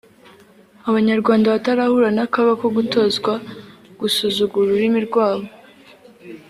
Abanyarwanda batarahura n’akaga ko gutozwa gusuzugura ururimi rwabo